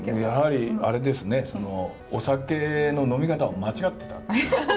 やはりアレですねお酒の呑み方を間違ってた。